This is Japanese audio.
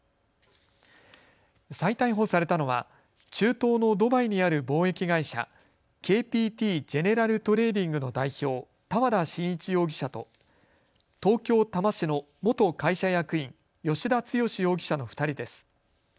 再逮捕されたのは中東のドバイにある貿易会社、ＫＰＴＧｅｎｅｒａｌＴｒａｄｉｎｇの代表、多和田眞一容疑者と東京多摩市の元会社役員、吉田毅容疑者の２人です。